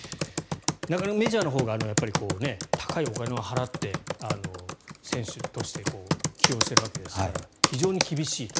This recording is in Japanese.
メジャーのほうが高いお金を払って選手として起用しているわけですから非常に厳しいと。